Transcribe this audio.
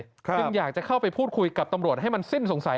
จึงอยากจะเข้าไปพูดคุยกับตำรวจให้มันสิ้นสงสัย